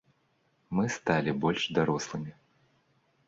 Мы сталі больш дарослымі.